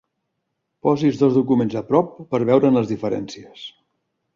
Posis dos documents a prop per veure'n les diferències.